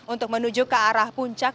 untuk menuju ke arah puncak